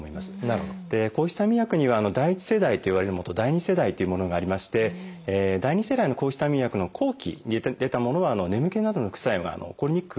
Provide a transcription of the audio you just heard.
抗ヒスタミン薬には第一世代といわれるものと第二世代というものがありまして第二世代の抗ヒスタミン薬の後期に出たものは眠気などの副作用が起こりにくくなっておりますので。